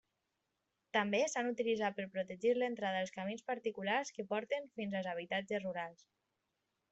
També s'han utilitzat per protegir l'entrada als camins particulars que porten fins als habitatges rurals.